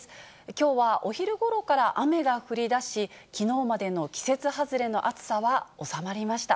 きょうはお昼ごろから雨が降りだし、きのうまでの季節外れの暑さは収まりました。